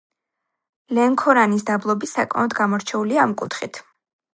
ლენქორანის დაბლობი საკმაოდ გამორჩეულია ამ კუთხით.